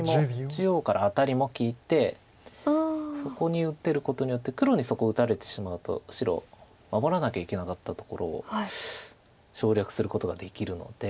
中央からアタリも利いてそこに打てることによって黒にそこ打たれてしまうと白守らなきゃいけなかったところを省略することができるので。